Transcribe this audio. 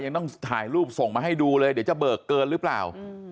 ยังต้องถ่ายรูปส่งมาให้ดูเลยเดี๋ยวจะเบิกเกินหรือเปล่า